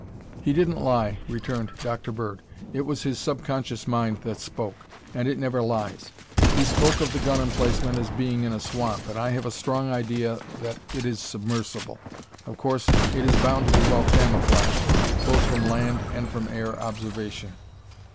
"He didn't lie," returned Dr. Bird. "It was his subconscious mind that spoke and it never lies. He spoke of the gun emplacement as being in a swamp and I have a strong idea that it is submersible. Of course, it is bound to be well camouflaged, both from land and from air observation."